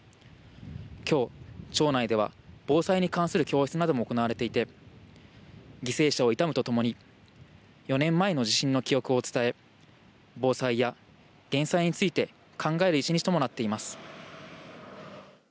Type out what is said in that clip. きょう、町内では防災に関する教室なども行われていて犠牲者を悼むとともに４年前の地震の記憶を伝え防災や減災について考える１日ともなっています。